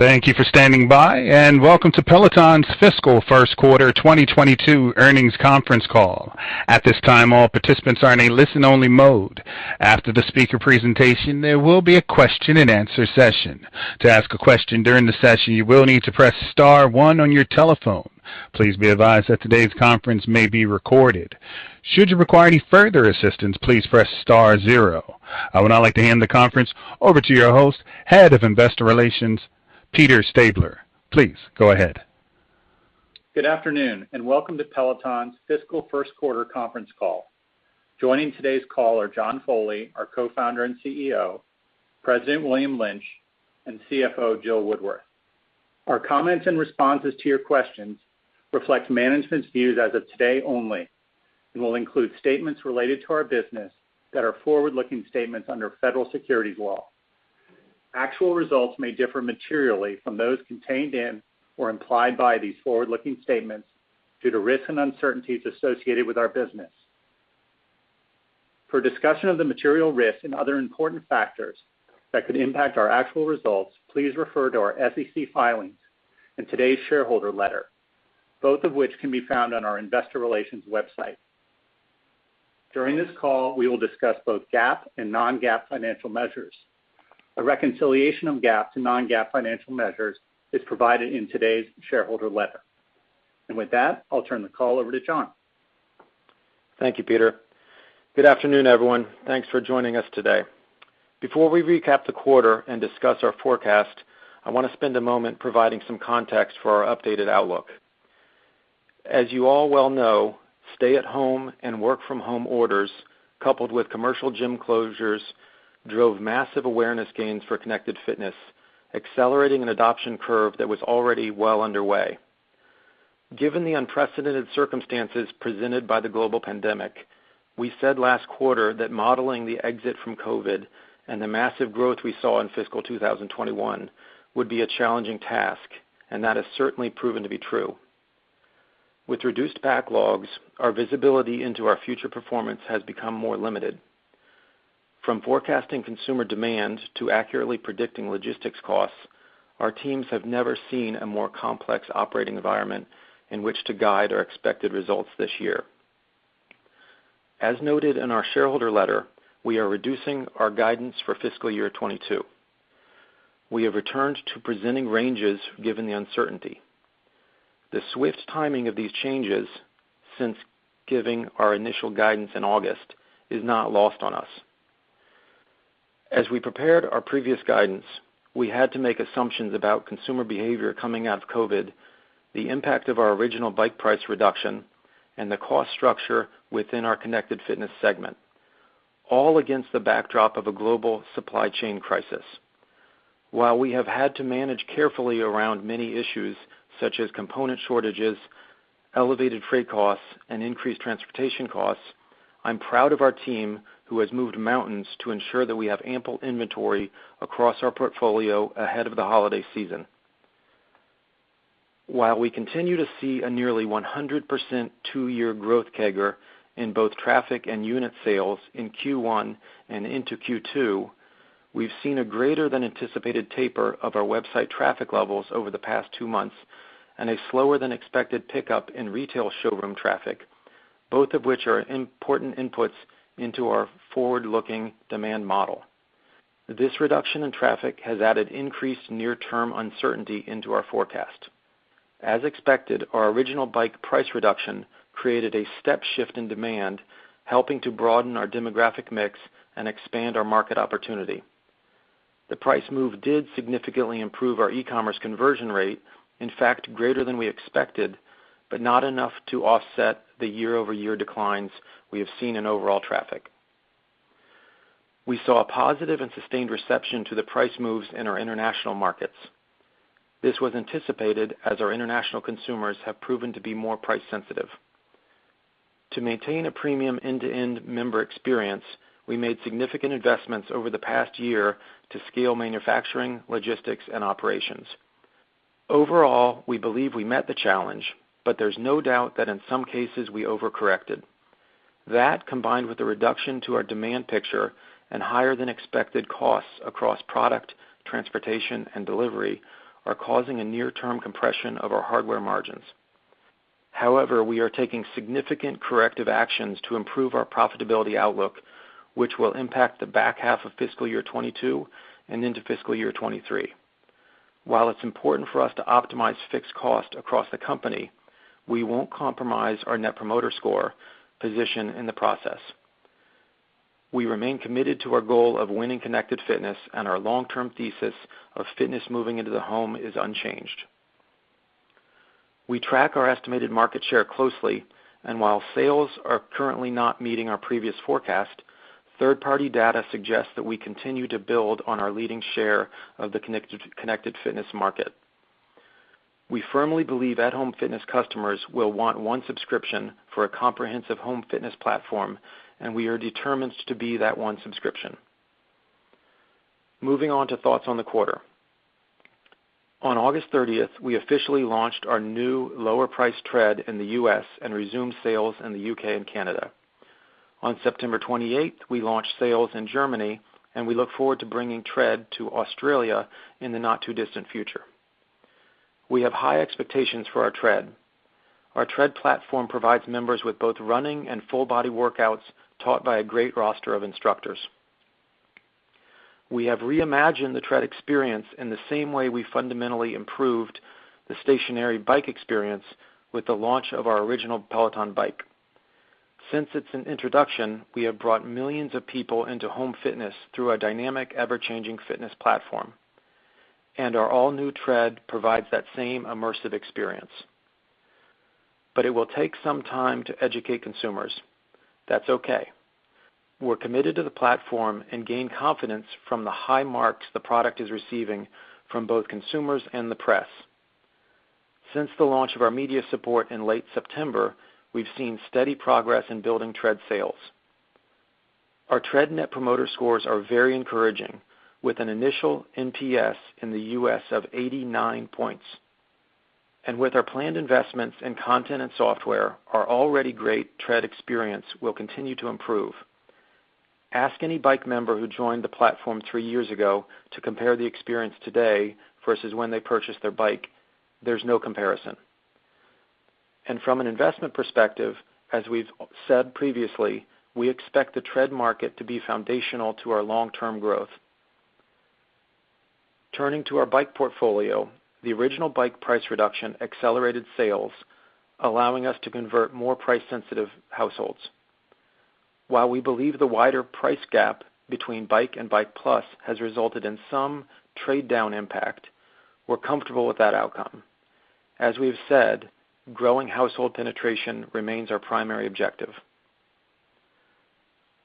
Thank you for standing by, and welcome to Peloton's Fiscal Q1 2022 earnings conference call. At this time, all participants are in a listen-only mode. After the speaker presentation, there will be a question-and-answer session. To ask a question during the session, you will need to press star one on your telephone. Please be advised that today's conference may be recorded. Should you require any further assistance, please press star zero. I would now like to hand the conference over to your host, Head of Investor Relations, Peter Stabler. Please go ahead. Good afternoon, and welcome to Peloton's Fiscal Q1 conference call. Joining today's call are John Foley, our Co-Founder and CEO, President William Lynch, and CFO Jill Woodworth. Our comments and responses to your questions reflect management's views as of today only and will include statements related to our business that are forward-looking statements under federal securities law. Actual results may differ materially from those contained in or implied by these forward-looking statements due to risks and uncertainties associated with our business. For a discussion of the material risks and other important factors that could impact our actual results, please refer to our SEC filings and today's shareholder letter, both of which can be found on our investor relations website. During this call, we will discuss both GAAP and non-GAAP financial measures. A reconciliation of GAAP to non-GAAP financial measures is provided in today's shareholder letter. With that, I'll turn the call over to John. Thank you, Peter. Good afternoon, everyone. Thanks for joining us today. Before we recap the quarter and discuss our forecast, I wanna spend a moment providing some context for our updated outlook. As you all well know, stay-at-home and work-from-home orders, coupled with commercial gym closures, drove massive awareness gains for connected fitness, accelerating an adoption curve that was already well underway. Given the unprecedented circumstances presented by the global pandemic, we said last quarter that modeling the exit from COVID and the massive growth we saw in fiscal 2021 would be a challenging task, and that has certainly proven to be true. With reduced backlogs, our visibility into our future performance has become more limited. From forecasting consumer demand to accurately predicting logistics costs, our teams have never seen a more complex operating environment in which to guide our expected results this year. As noted in our shareholder letter, we are reducing our guidance for fiscal year 2022. We have returned to presenting ranges given the uncertainty. The swift timing of these changes since giving our initial guidance in August is not lost on us. As we prepared our previous guidance, we had to make assumptions about consumer behavior coming out of COVID, the impact of our original bike price reduction, and the cost structure within our connected fitness segment, all against the backdrop of a global supply chain crisis. While we have had to manage carefully around many issues, such as component shortages, elevated freight costs, and increased transportation costs, I'm proud of our team, who has moved mountains to ensure that we have ample inventory across our portfolio ahead of the holiday season. While we continue to see a nearly 100% two-year growth CAGR in both traffic and unit sales in Q1 and into Q2, we've seen a greater than anticipated taper of our website traffic levels over the past two months and a slower than expected pickup in retail showroom traffic, both of which are important inputs into our forward-looking demand model. This reduction in traffic has added increased near-term uncertainty into our forecast. As expected, our original bike price reduction created a step shift in demand, helping to broaden our demographic mix and expand our market opportunity. The price move did significantly improve our e-commerce conversion rate, in fact, greater than we expected, but not enough to offset the year-over-year declines we have seen in overall traffic. We saw a positive and sustained reception to the price moves in our international markets. This was anticipated, as our international consumers have proven to be more price sensitive. To maintain a premium end-to-end member experience, we made significant investments over the past year to scale manufacturing, logistics, and operations. Overall, we believe we met the challenge, but there's no doubt that in some cases, we overcorrected. That, combined with the reduction to our demand picture and higher than expected costs across product, transportation, and delivery, are causing a near-term compression of our hardware margins. However, we are taking significant corrective actions to improve our profitability outlook, which will impact the back half of fiscal year 2022 and into fiscal year 2023. While it's important for us to optimize fixed cost across the company, we won't compromise our net promoter score position in the process. We remain committed to our goal of winning connected fitness, and our long-term thesis of fitness moving into the home is unchanged. We track our estimated market share closely, and while sales are currently not meeting our previous forecast, third-party data suggests that we continue to build on our leading share of the connected fitness market. We firmly believe at-home fitness customers will want one subscription for a comprehensive home fitness platform, and we are determined to be that one subscription. Moving on to thoughts on the quarter. On August thirtieth, we officially launched our new lower price Tread in the U.S. and resumed sales in the U.K. and Canada. On September 28th, we launched sales in Germany, and we look forward to bringing Tread to Australia in the not too distant future. We have high expectations for our Tread. Our Tread platform provides members with both running and full body workouts taught by a great roster of instructors. We have reimagined the Tread experience in the same way we fundamentally improved the stationary bike experience with the launch of our original Peloton Bike. Since it's an introduction, we have brought millions of people into home fitness through a dynamic, ever-changing fitness platform, and our all-new Tread provides that same immersive experience. It will take some time to educate consumers. That's okay. We're committed to the platform and gain confidence from the high marks the product is receiving from both consumers and the press. Since the launch of our media support in late September, we've seen steady progress in building Tread sales. Our Tread net promoter scores are very encouraging, with an initial NPS in the U.S. of 89 points. With our planned investments in content and software, our already great Tread experience will continue to improve. Ask any Bike member who joined the platform three years ago to compare the experience today versus when they purchased their Bike. There's no comparison. From an investment perspective, as we've said previously, we expect the Tread market to be foundational to our long-term growth. Turning to our Bike portfolio, the original Bike price reduction accelerated sales, allowing us to convert more price-sensitive households. While we believe the wider price gap between Bike and Bike+ has resulted in some trade-down impact, we're comfortable with that outcome. As we have said, growing household penetration remains our primary objective.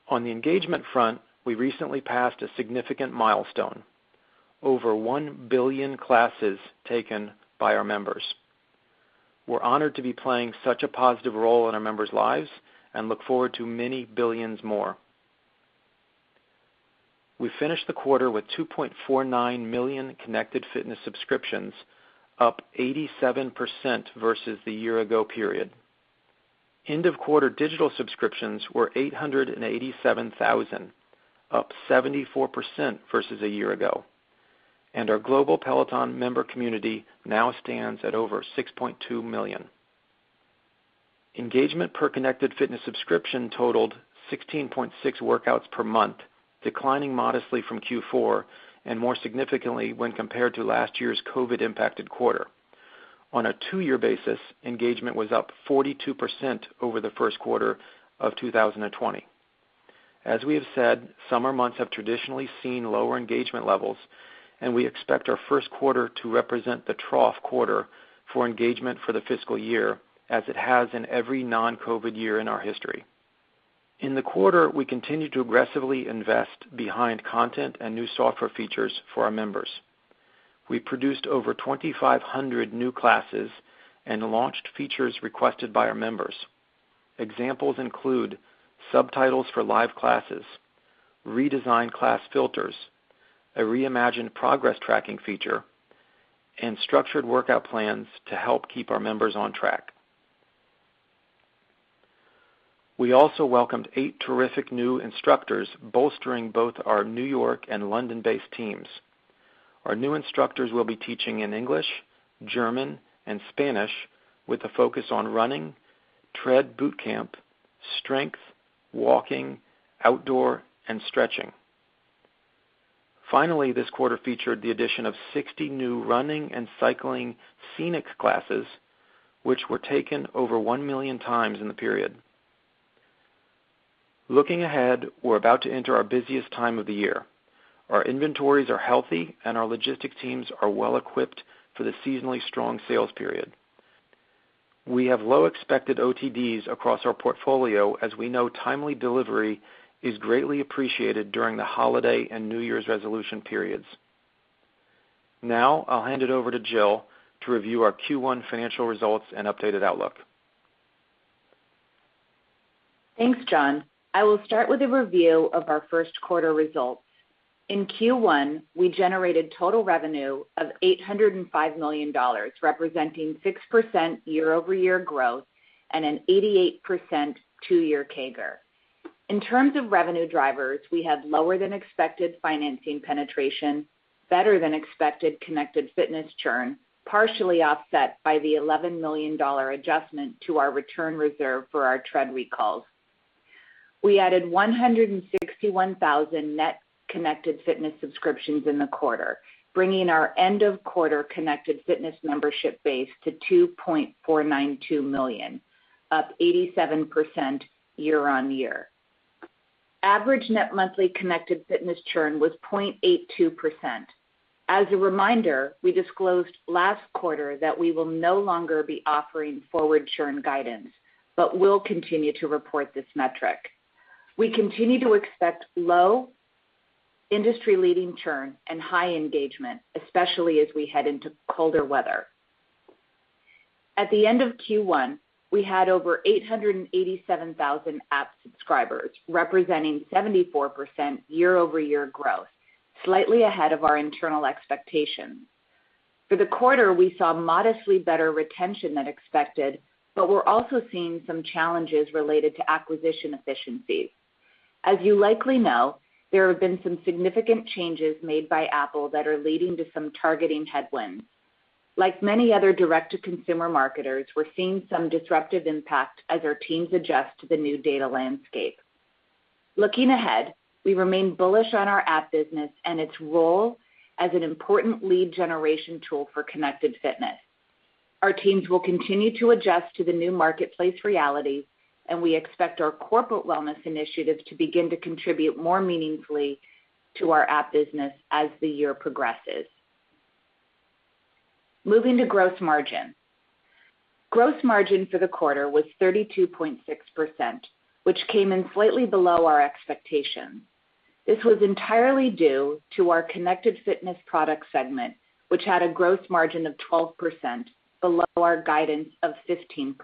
On the engagement front, we recently passed a significant milestone, over 1 billion classes taken by our members. We're honored to be playing such a positive role in our members' lives and look forward to many billions more. We finished the quarter with 2.49 million connected fitness subscriptions, up 87% versus the year-ago period. End of quarter digital subscriptions were 887,000, up 74% versus a year ago, and our global Peloton member community now stands at over 6.2 million. Engagement per connected fitness subscription totaled 16.6 workouts per month, declining modestly from Q4 and more significantly when compared to last year's COVID-impacted quarter. On a two-year basis, engagement was up 42% over the Q1 of 2020. As we have said, summer months have traditionally seen lower engagement levels, and we expect our Q1 to represent the trough quarter for engagement for the fiscal year as it has in every non-COVID year in our history. In the quarter, we continued to aggressively invest behind content and new software features for our members. We produced over 2,500 new classes and launched features requested by our members. Examples include subtitles for live classes, redesigned class filters, a reimagined progress tracking feature, and structured workout plans to help keep our members on track. We also welcomed 8 terrific new instructors, bolstering both our New York and London-based teams. Our new instructors will be teaching in English, German, and Spanish with a focus on running, Tread Bootcamp, strength, walking, outdoor, and stretching. Finally, this quarter featured the addition of 60 new running and cycling scenic classes, which were taken over 1 million times in the period. Looking ahead, we're about to enter our busiest time of the year. Our inventories are healthy, and our logistics teams are well equipped for the seasonally strong sales period. We have low expected OTDs across our portfolio as we know timely delivery is greatly appreciated during the holiday and New Year's resolution periods. Now I'll hand it over to Jill to review our Q1 financial results and updated outlook. Thanks, John. I will start with a review of our Q1 results. In Q1, we generated total revenue of $805 million, representing 6% year-over-year growth and an 88% two-year CAGR. In terms of revenue drivers, we had lower than expected financing penetration, better than expected connected fitness churn, partially offset by the $11 million adjustment to our return reserve for our Tread recalls. We added 161,000 net connected fitness subscriptions in the quarter, bringing our end of quarter connected fitness membership base to 2.492 million, up 87% year-on-year. Average net monthly connected fitness churn was 0.82%. As a reminder, we disclosed last quarter that we will no longer be offering forward churn guidance, but will continue to report this metric. We continue to expect low industry-leading churn and high engagement, especially as we head into colder weather. At the end of Q1, we had over 887,000 app subscribers, representing 74% year-over-year growth, slightly ahead of our internal expectations. For the quarter, we saw modestly better retention than expected, but we're also seeing some challenges related to acquisition efficiencies. As you likely know, there have been some significant changes made by Apple that are leading to some targeting headwinds. Like many other direct-to-consumer marketers, we're seeing some disruptive impact as our teams adjust to the new data landscape. Looking ahead, we remain bullish on our app business and its role as an important lead generation tool for connected fitness. Our teams will continue to adjust to the new marketplace reality, and we expect our corporate wellness initiatives to begin to contribute more meaningfully to our app business as the year progresses. Moving to gross margin. Gross margin for the quarter was 32.6%, which came in slightly below our expectations. This was entirely due to our connected fitness product segment, which had a gross margin of 12%, below our guidance of 15%.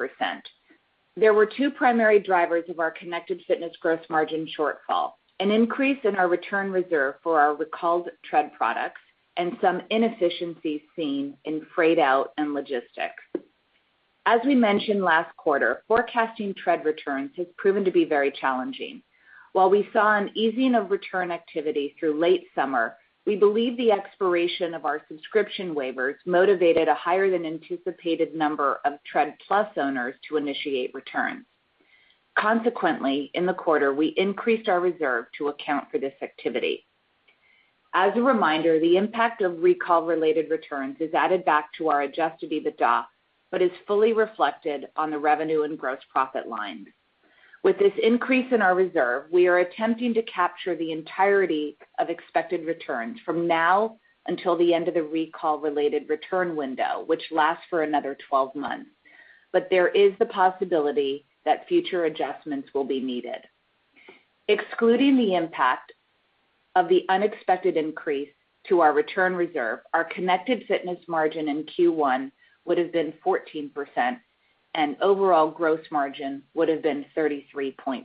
There were two primary drivers of our connected fitness gross margin shortfall, an increase in our return reserve for our recalled tread products and some inefficiencies seen in freight out and logistics. As we mentioned last quarter, forecasting tread returns has proven to be very challenging. While we saw an easing of return activity through late summer, we believe the expiration of our subscription waivers motivated a higher than anticipated number of Tread+ owners to initiate returns. Consequently, in the quarter, we increased our reserve to account for this activity. As a reminder, the impact of recall-related returns is added back to our adjusted EBITDA, but is fully reflected on the revenue and gross profit lines. With this increase in our reserve, we are attempting to capture the entirety of expected returns from now until the end of the recall-related return window, which lasts for another 12 months. There is the possibility that future adjustments will be needed. Excluding the impact of the unexpected increase to our return reserve, our Connected Fitness margin in Q1 would have been 14% and overall gross margin would have been 33.6%.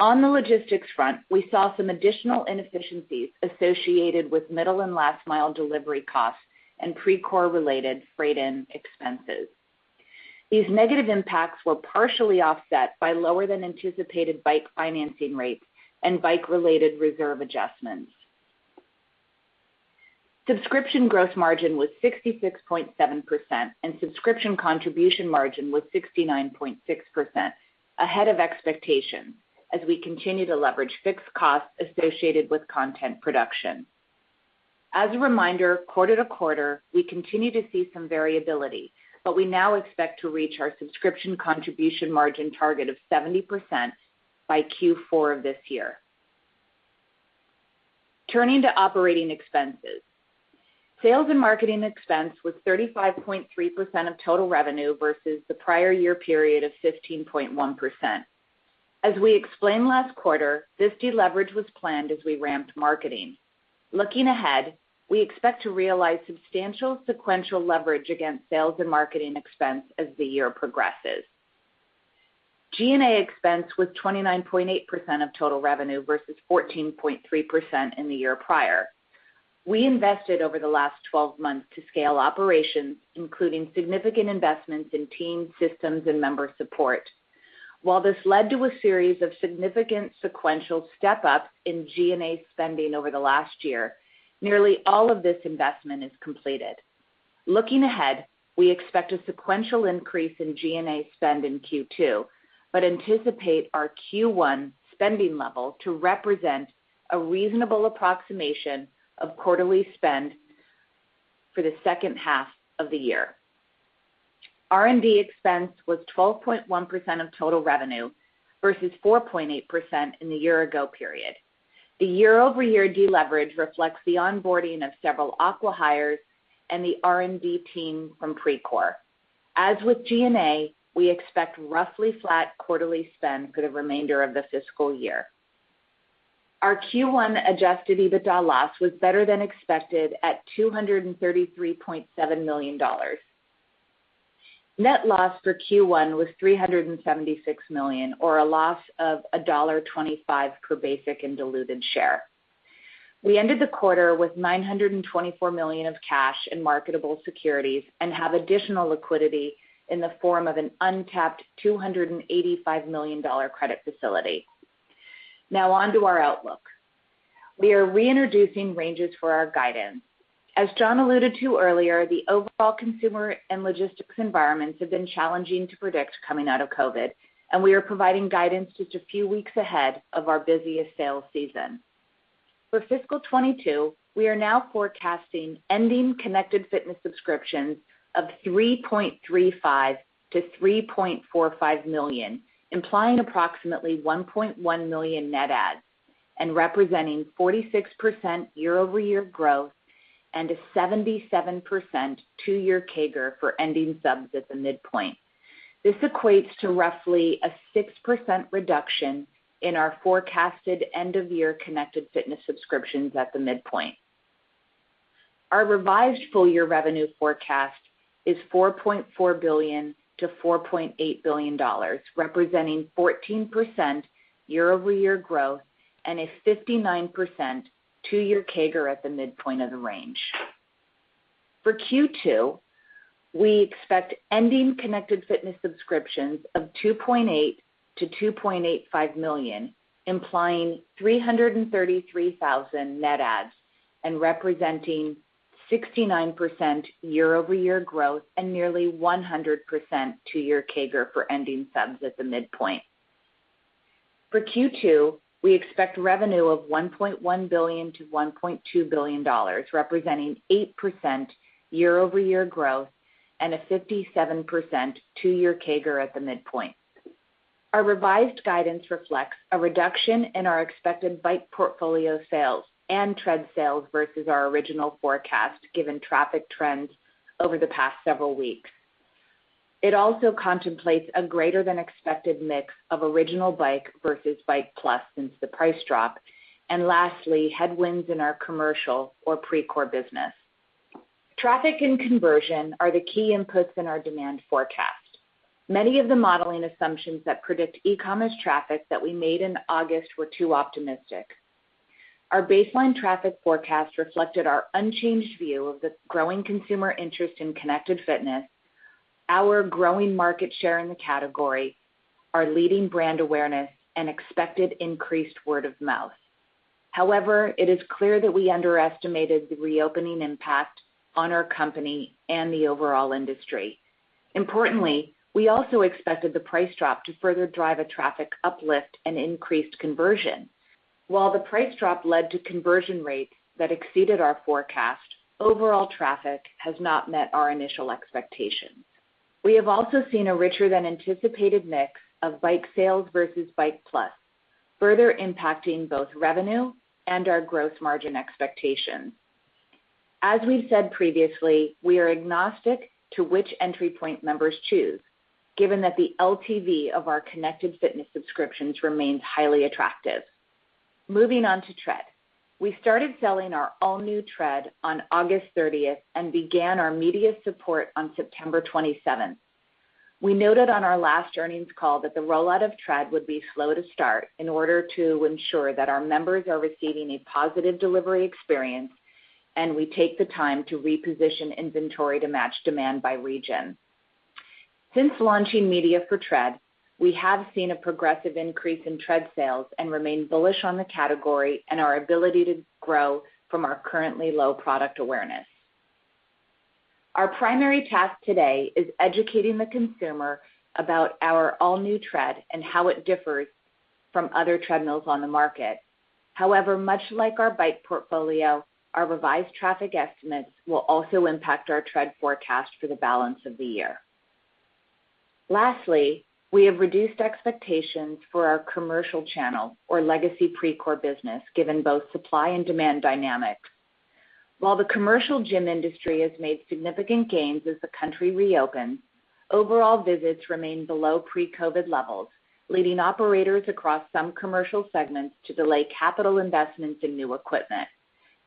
On the logistics front, we saw some additional inefficiencies associated with middle and last mile delivery costs and Precor-related freight-in expenses. These negative impacts were partially offset by lower than anticipated bike financing rates and bike-related reserve adjustments. Subscription gross margin was 66.7% and subscription contribution margin was 69.6%, ahead of expectations as we continue to leverage fixed costs associated with content production. As a reminder, quarter-over-quarter, we continue to see some variability, but we now expect to reach our subscription contribution margin target of 70% by Q4 of this year. Turning to operating expenses. Sales and marketing expense was 35.3% of total revenue versus the prior-year period of 15.1%. As we explained last quarter, this deleverage was planned as we ramped marketing. Looking ahead, we expect to realize substantial sequential leverage against sales and marketing expense as the year progresses. G&A expense was 29.8% of total revenue versus 14.3% in the year prior. We invested over the last 12 months to scale operations, including significant investments in team systems and member support. While this led to a series of significant sequential step-ups in G&A spending over the last year, nearly all of this investment is completed. Looking ahead, we expect a sequential increase in G&A spend in Q2, but anticipate our Q1 spending level to represent a reasonable approximation of quarterly spend for the second half of the year. R&D expense was 12.1% of total revenue versus 4.8% in the year ago period. The year-over-year deleverage reflects the onboarding of several acqui-hires and the R&D team from Precor. As with G&A, we expect roughly flat quarterly spend for the remainder of the fiscal year. Our Q1 adjusted EBITDA loss was better than expected at $233.7 million. Net loss for Q1 was $376 million or a loss of $1.25 per basic and diluted share. We ended the quarter with $924 million of cash in marketable securities and have additional liquidity in the form of an untapped $285 million credit facility. Now on to our outlook. We are reintroducing ranges for our guidance. As John alluded to earlier, the overall consumer and logistics environments have been challenging to predict coming out of COVID, and we are providing guidance just a few weeks ahead of our busiest sales season. For fiscal 2022, we are now forecasting ending Connected Fitness subscriptions of 3.35-3.45 million, implying approximately 1.1 million net adds and representing 46% year-over-year growth and a 77% two-year CAGR for ending subs at the midpoint. This equates to roughly a 6% reduction in our forecasted end-of-year Connected Fitness subscriptions at the midpoint. Our revised full-year revenue forecast is $4.4 billion-$4.8 billion, representing 14% year-over-year growth and a 59% two-year CAGR at the midpoint of the range. For Q2, we expect ending Connected Fitness subscriptions of 2.8-2.85 million, implying 333,000 net adds and representing 69% year-over-year growth and nearly 100% two-year CAGR for ending subs at the midpoint. For Q2, we expect revenue of $1.1 billion-$1.2 billion, representing 8% year-over-year growth and a 57% two-year CAGR at the midpoint. Our revised guidance reflects a reduction in our expected Bike portfolio sales and Tread sales versus our original forecast, given traffic trends over the past several weeks. It also contemplates a greater than expected mix of original Bike versus Bike+ since the price drop, and lastly, headwinds in our commercial or Precor business. Traffic and conversion are the key inputs in our demand forecast. Many of the modeling assumptions that predict e-commerce traffic that we made in August were too optimistic. Our baseline traffic forecast reflected our unchanged view of the growing consumer interest in connected fitness, our growing market share in the category, our leading brand awareness, and expected increased word of mouth. However, it is clear that we underestimated the reopening impact on our company and the overall industry. Importantly, we also expected the price drop to further drive a traffic uplift and increased conversion. While the price drop led to conversion rates that exceeded our forecast, overall traffic has not met our initial expectations. We have also seen a richer than anticipated mix of Bike sales versus Bike+, further impacting both revenue and our gross margin expectations. As we've said previously, we are agnostic to which entry point members choose, given that the LTV of our connected fitness subscriptions remains highly attractive. Moving on to Tread. We started selling our all-new Tread on August 30 and began our media support on September 27. We noted on our last earnings call that the rollout of Tread would be slow to start in order to ensure that our members are receiving a positive delivery experience, and we take the time to reposition inventory to match demand by region. Since launching media for Tread, we have seen a progressive increase in Tread sales and remain bullish on the category and our ability to grow from our currently low product awareness. Our primary task today is educating the consumer about our all-new Tread and how it differs from other treadmills on the market. However, much like our Bike portfolio, our revised traffic estimates will also impact our Tread forecast for the balance of the year. Lastly, we have reduced expectations for our commercial channel or legacy Precor business, given both supply and demand dynamics. While the commercial gym industry has made significant gains as the country reopens, overall visits remain below pre-COVID levels, leading operators across some commercial segments to delay capital investments in new equipment.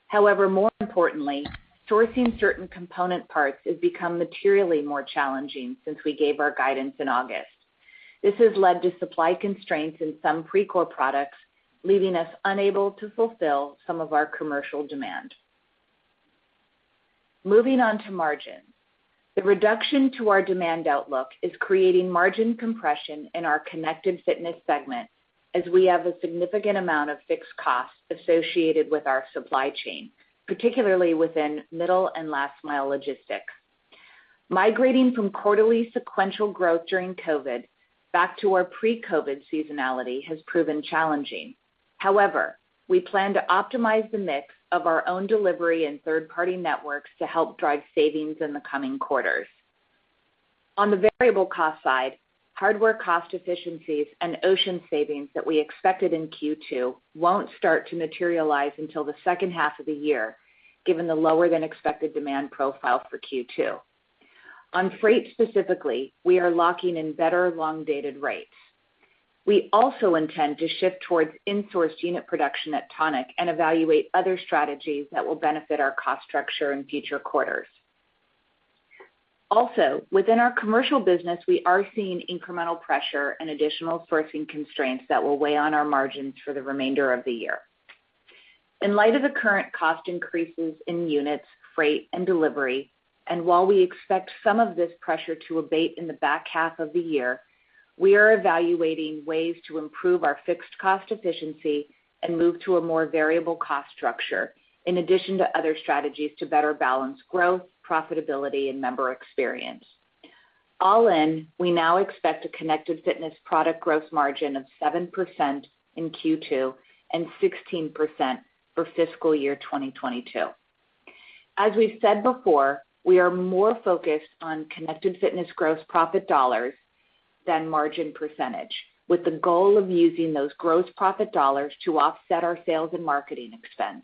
However, more importantly, sourcing certain component parts has become materially more challenging since we gave our guidance in August. This has led to supply constraints in some Precor products, leaving us unable to fulfill some of our commercial demand. Moving on to margins. The reduction to our demand outlook is creating margin compression in our connected fitness segment as we have a significant amount of fixed costs associated with our supply chain, particularly within middle and last mile logistics. Migrating from quarterly sequential growth during COVID back to our pre-COVID seasonality has proven challenging. However, we plan to optimize the mix of our own delivery and third-party networks to help drive savings in the coming quarters. On the variable cost side, hardware cost efficiencies and ocean savings that we expected in Q2 won't start to materialize until the second half of the year, given the lower than expected demand profile for Q2. On freight specifically, we are locking in better long-dated rates. We also intend to shift towards insourced unit production at Tonic and evaluate other strategies that will benefit our cost structure in future quarters. Also, within our commercial business, we are seeing incremental pressure and additional sourcing constraints that will weigh on our margins for the remainder of the year. In light of the current cost increases in units, freight, and delivery, and while we expect some of this pressure to abate in the back half of the year, we are evaluating ways to improve our fixed cost efficiency and move to a more variable cost structure, in addition to other strategies to better balance growth, profitability, and member experience. All in, we now expect a connected fitness product growth margin of 7% in Q2 and 16% for fiscal year 2022. As we've said before, we are more focused on connected fitness gross profit dollars than margin percentage, with the goal of using those gross profit dollars to offset our sales and marketing expense.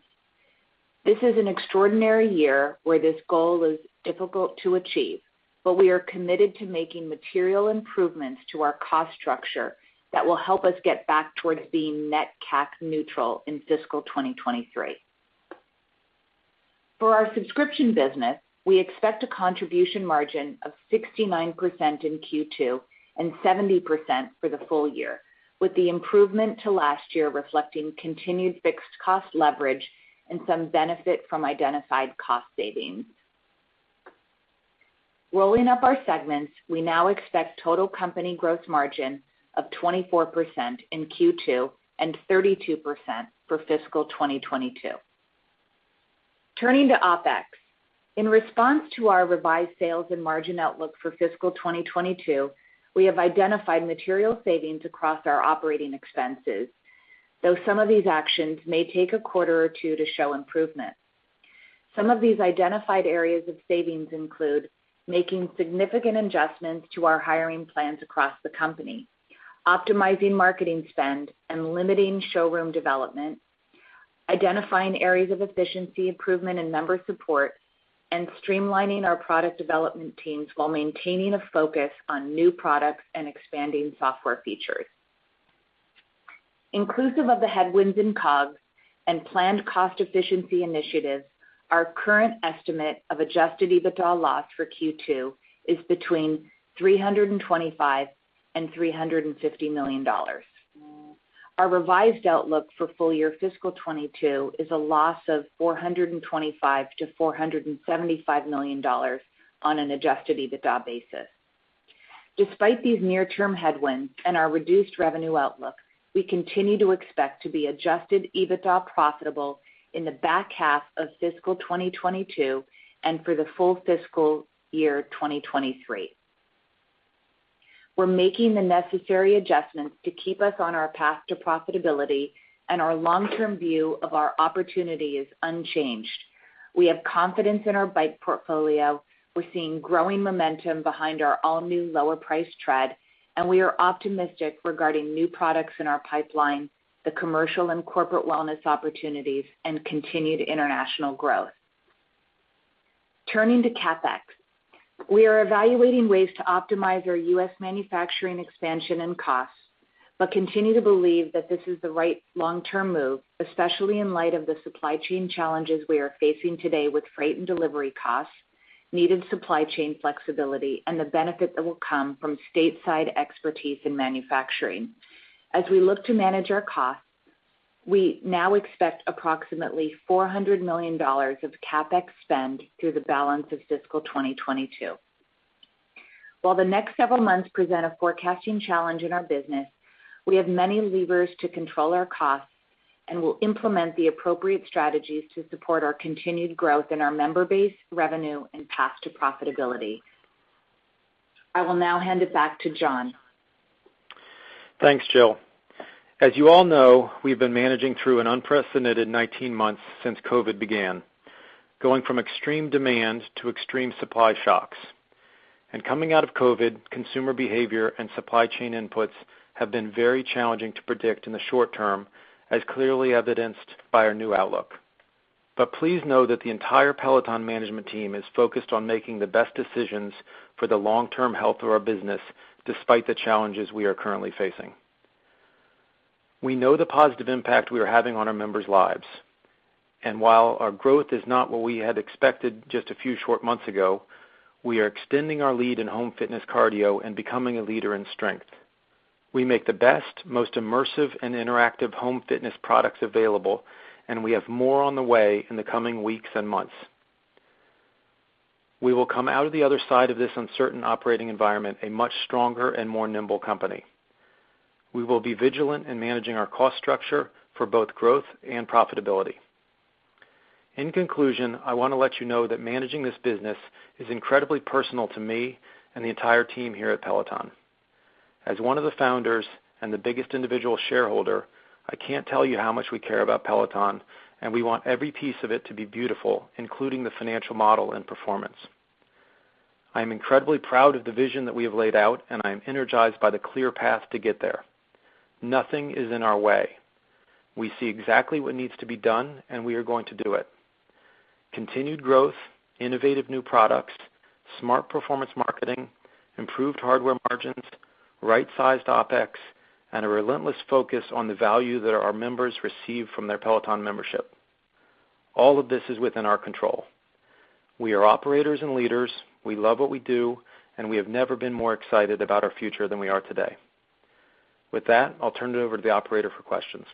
This is an extraordinary year where this goal is difficult to achieve, but we are committed to making material improvements to our cost structure that will help us get back towards being net CAC neutral in fiscal 2023. For our subscription business, we expect a contribution margin of 69% in Q2 and 70% for the full year, with the improvement to last year reflecting continued fixed cost leverage and some benefit from identified cost savings. Rolling up our segments, we now expect total company gross margin of 24% in Q2 and 32% for fiscal 2022. Turning to OpEx. In response to our revised sales and margin outlook for fiscal 2022, we have identified material savings across our operating expenses, though some of these actions may take a quarter or two to show improvement. Some of these identified areas of savings include making significant adjustments to our hiring plans across the company, optimizing marketing spend and limiting showroom development, identifying areas of efficiency improvement in member support, and streamlining our product development teams while maintaining a focus on new products and expanding software features. Inclusive of the headwinds in COGS and planned cost efficiency initiatives, our current estimate of adjusted EBITDA loss for Q2 is between $325 million and $350 million. Our revised outlook for full year fiscal 2022 is a loss of $425 million-$475 million on an adjusted EBITDA basis. Despite these near-term headwinds and our reduced revenue outlook, we continue to expect to be adjusted EBITDA profitable in the back half of fiscal 2022 and for the full fiscal year 2023. We're making the necessary adjustments to keep us on our path to profitability, and our long-term view of our opportunity is unchanged. We have confidence in our Bike portfolio. We're seeing growing momentum behind our all-new lower-price Tread, and we are optimistic regarding new products in our pipeline, the commercial and corporate wellness opportunities, and continued international growth. Turning to CapEx. We are evaluating ways to optimize our U.S. manufacturing expansion and costs, but continue to believe that this is the right long-term move, especially in light of the supply chain challenges we are facing today with freight and delivery costs, needed supply chain flexibility, and the benefit that will come from stateside expertise in manufacturing. As we look to manage our costs, we now expect approximately $400 million of CapEx spend through the balance of fiscal 2022. While the next several months present a forecasting challenge in our business, we have many levers to control our costs and will implement the appropriate strategies to support our continued growth in our member base, revenue, and path to profitability. I will now hand it back to John. Thanks, Jill. As you all know, we've been managing through an unprecedented 19 months since COVID began, going from extreme demand to extreme supply shocks. Coming out of COVID, consumer behavior and supply chain inputs have been very challenging to predict in the short term, as clearly evidenced by our new outlook. Please know that the entire Peloton management team is focused on making the best decisions for the long-term health of our business despite the challenges we are currently facing. We know the positive impact we are having on our members' lives. While our growth is not what we had expected just a few short months ago, we are extending our lead in home fitness cardio and becoming a leader in strength. We make the best, most immersive, and interactive home fitness products available, and we have more on the way in the coming weeks and months. We will come out of the other side of this uncertain operating environment a much stronger and more nimble company. We will be vigilant in managing our cost structure for both growth and profitability. In conclusion, I wanna let you know that managing this business is incredibly personal to me and the entire team here at Peloton. As one of the founders and the biggest individual shareholder, I can't tell you how much we care about Peloton, and we want every piece of it to be beautiful, including the financial model and performance. I am incredibly proud of the vision that we have laid out, and I am energized by the clear path to get there. Nothing is in our way. We see exactly what needs to be done, and we are going to do it. Continued growth, innovative new products, smart performance marketing, improved hardware margins, right-sized OpEx, and a relentless focus on the value that our members receive from their Peloton membership. All of this is within our control. We are operators and leaders. We love what we do, and we have never been more excited about our future than we are today. With that, I'll turn it over to the operator for questions.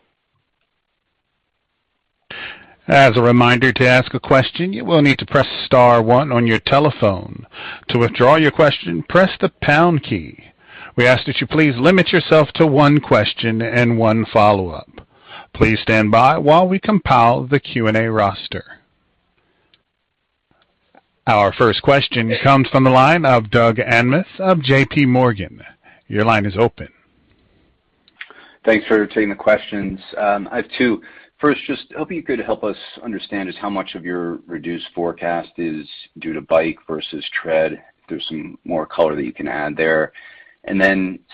As a reminder, to ask a question, you will need to press star one on your telephone. To withdraw your question, press the pound key. We ask that you please limit yourself to one question and one follow-up. Please stand by while we compile the Q&A roster. Our first question comes from the line of Doug Anmuth of JPMorgan. Your line is open. Thanks for taking the questions. I have two. First, just hoping you could help us understand just how much of your reduced forecast is due to Bike versus Tread. If there's some more color that you can add there.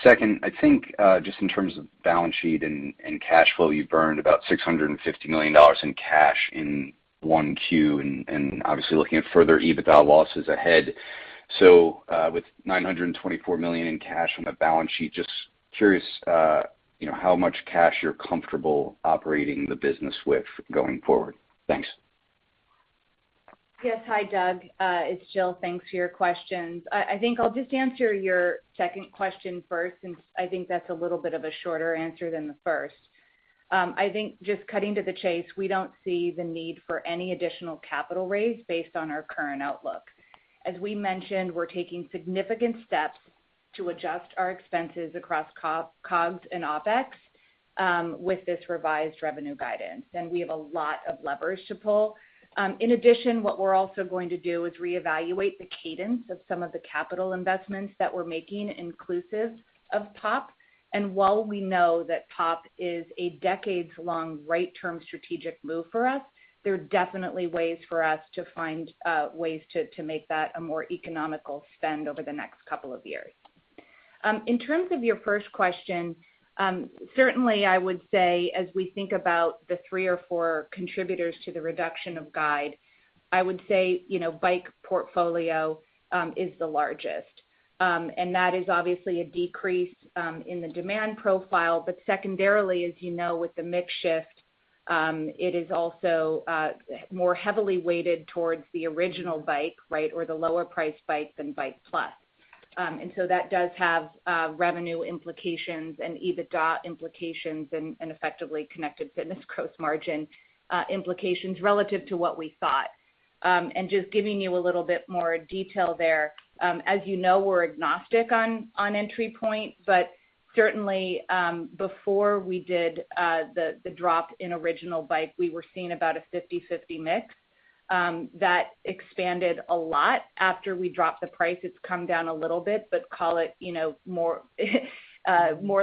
Second, I think, just in terms of balance sheet and cash flow, you've burned about $650 million in one Q, and obviously looking at further EBITDA losses ahead. with $924 million in cash on the balance sheet, just curious, you know, how much cash you're comfortable operating the business with going forward? Thanks. Yes. Hi, Doug. It's Jill. Thanks for your questions. I think I'll just answer your second question first, since I think that's a little bit of a shorter answer than the first. I think just cutting to the chase, we don't see the need for any additional capital raise based on our current outlook. As we mentioned, we're taking significant steps to adjust our expenses across cost, COGS and OpEx with this revised revenue guidance, and we have a lot of levers to pull. In addition, what we're also going to do is reevaluate the cadence of some of the capital investments that we're making inclusive of POP. While we know that POP is a decades-long right term strategic move for us, there are definitely ways for us to find ways to make that a more economical spend over the next couple of years. In terms of your first question, certainly I would say as we think about the three or four contributors to the reduction of guide, I would say bike portfolio is the largest. That is obviously a decrease in the demand profile. Secondarily, as you know, with the mix shift, it is also more heavily weighted towards the original bike, right, or the lower priced bike than Bike+. That does have revenue implications and EBITDA implications and effectively Connected Fitness gross margin implications relative to what we thought. Just giving you a little bit more detail there, as you know, we're agnostic on entry point, but certainly, before we did the drop in original Bike, we were seeing about a 50/50 mix that expanded a lot. After we dropped the price, it's come down a little bit, but call it, you know, more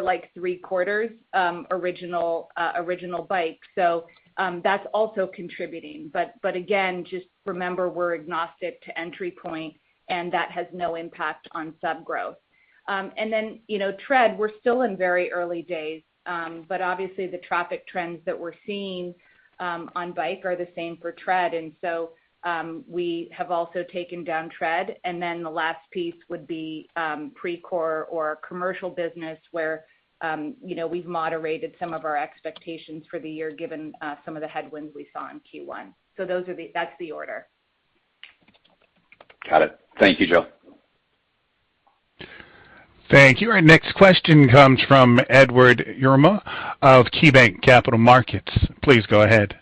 like 3/4 original Bike. That's also contributing. Again, just remember we're agnostic to entry point, and that has no impact on sub growth. Then, you know, Tread, we're still in very early days, but obviously the traffic trends that we're seeing on Bike are the same for Tread. We have also taken down Tread. The last piece would be Precor or commercial business where you know we've moderated some of our expectations for the year given some of the headwinds we saw in Q1. That's the order. Got it. Thank you, Jill. Thank you. Our next question comes from Edward Yruma of KeyBanc Capital Markets. Please go ahead.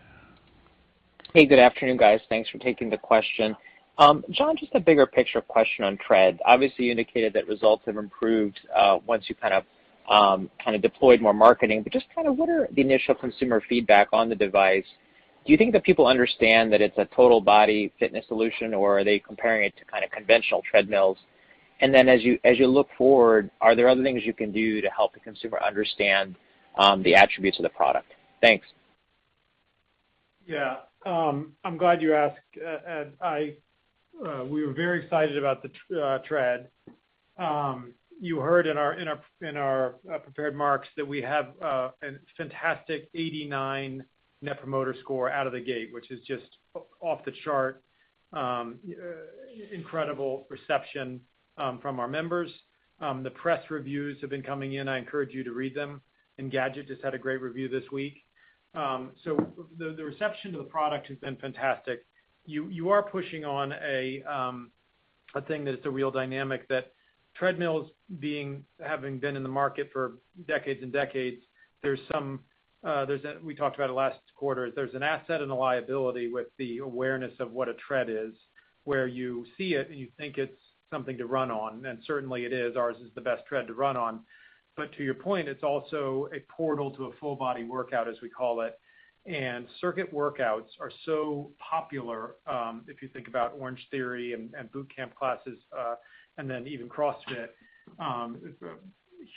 Hey, good afternoon, guys. Thanks for taking the question. John, just a bigger picture question on Tread. Obviously, you indicated that results have improved, once you kind of deployed more marketing, but just kind of what are the initial consumer feedback on the device? Do you think that people understand that it's a total body fitness solution, or are they comparing it to kind of conventional treadmills? As you look forward, are there other things you can do to help the consumer understand the attributes of the product? Thanks. Yeah. I'm glad you asked, Ed. We were very excited about the Tread. You heard in our prepared remarks that we have a fantastic 89 net promoter score out of the gate, which is just off the chart, incredible reception from our members. The press reviews have been coming in. I encourage you to read them. Engadget just had a great review this week. So the reception to the product has been fantastic. You are pushing on a thing that's a real dynamic that treadmills having been in the market for decades and decades, there's some, there's a-- we talked about it last quarter. There's an asset and a liability with the awareness of what a Tread is, where you see it, and you think it's something to run on. Certainly it is. Ours is the best Tread to run on. To your point, it's also a portal to a full body workout, as we call it. Circuit workouts are so popular, if you think about Orangetheory and boot camp classes, and then even CrossFit, it's a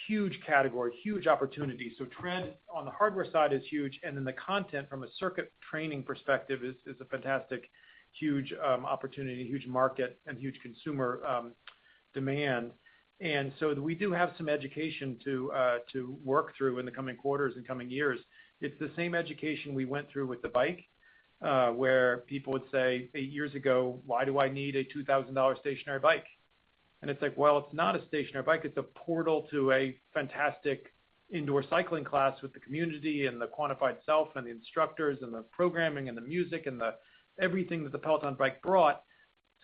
huge category, huge opportunity. Tread on the hardware side is huge, and then the content from a circuit training perspective is a fantastic, huge opportunity, huge market and huge consumer demand. We do have some education to work through in the coming quarters and coming years. It's the same education we went through with the Bike, where people would say 8 years ago, "Why do I need a $2,000 stationary bike?" It's like, well, it's not a stationary bike. It's a portal to a fantastic indoor cycling class with the community and the quantified self and the instructors and the programming and the music and the everything that the Peloton Bike brought.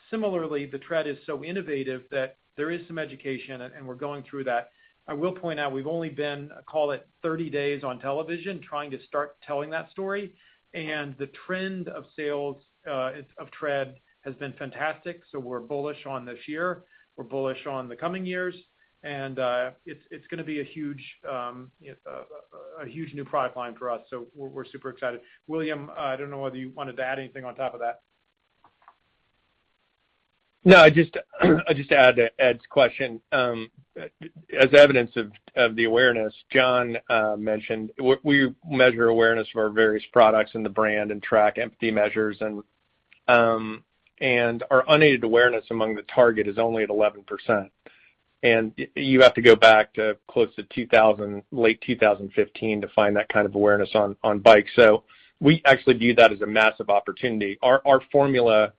Similarly, the Tread is so innovative that there is some education, and we're going through that. I will point out we've only been, call it, 30 days on television trying to start telling that story, and the trend of sales of Tread has been fantastic, so we're bullish on this year. We're bullish on the coming years, and it's gonna be a huge new product line for us, so we're super excited. William, I don't know whether you wanted to add anything on top of that. No, I'd just add to Ed's question. As evidence of the awareness John mentioned, we measure awareness of our various products and the brand and track empathy measures and our unaided awareness among the target is only at 11%. You have to go back to close to late 2015 to find that kind of awareness on Bike. We actually view that as a massive opportunity. Our formula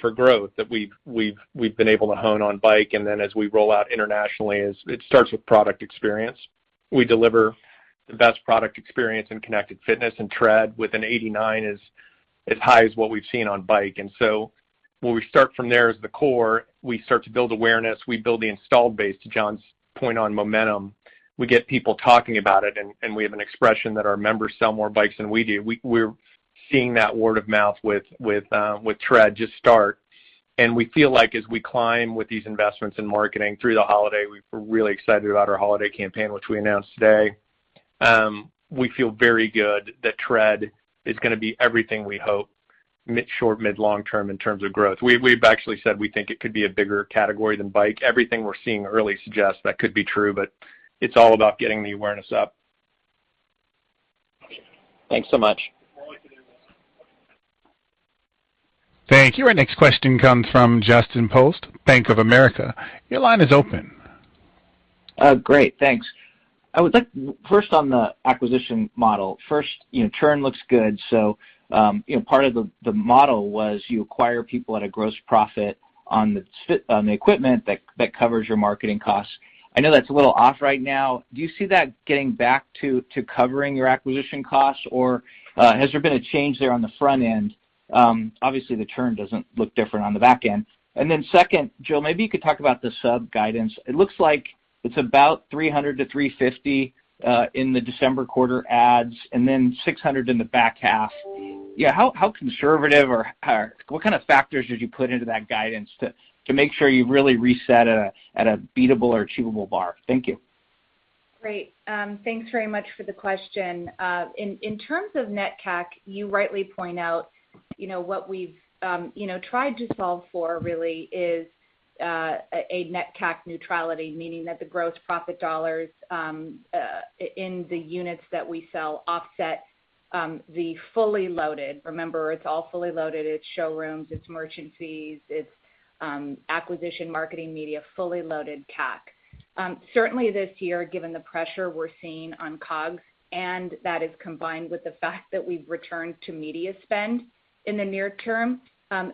for growth that we've been able to hone on Bike and then as we roll out internationally is it starts with product experience. We deliver the best product experience in connected fitness, and Tread with an 89 is as high as what we've seen on Bike. When we start from there as the core, we start to build awareness, we build the installed base, to John's point on momentum. We get people talking about it, and we have an expression that our members sell more bikes than we do. We're seeing that word of mouth with Tread just start. We feel like as we climb with these investments in marketing through the holiday, we're really excited about our holiday campaign, which we announced today. We feel very good that Tread is gonna be everything we hope, mid-short, mid-long term in terms of growth. We've actually said we think it could be a bigger category than Bike. Everything we're seeing early suggests that could be true, but it's all about getting the awareness up. Thanks so much. More than willing to. Thank you. Our next question comes from Justin Post, Bank of America. Your line is open. Great. Thanks. First, on the acquisition model. You know, churn looks good. You know, part of the model was you acquire people at a gross profit on the equipment that covers your marketing costs. I know that's a little off right now. Do you see that getting back to covering your acquisition costs, or has there been a change there on the front end? Obviously, the churn doesn't look different on the back end. Second, Jill, maybe you could talk about the sub guidance. It looks like it's about 300 to 350 in the December quarter adds and then 600 in the back half. Yeah, how conservative or what kind of factors did you put into that guidance to make sure you really reset at a beatable or achievable bar? Thank you. Great. Thanks very much for the question. In terms of net CAC, you rightly point out, you know, what we've, you know, tried to solve for really is a net CAC neutrality, meaning that the gross profit dollars in the units that we sell offset the fully loaded. Remember, it's all fully loaded. It's showrooms, it's merchant fees, it's acquisition, marketing, media, fully loaded CAC. Certainly this year, given the pressure we're seeing on COGS, and that is combined with the fact that we've returned to media spend in the near term,